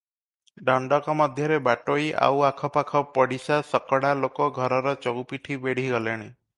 ଦଣ୍ଡକ ମଧ୍ୟରେ ବାଟୋଇ, ଆଉ ଆଖ ପାଖ ପଡ଼ିଶା ଶକଡ଼ା ଲୋକ ଘରର ଚଉପିଠି ବେଢ଼ି ଗଲେଣି ।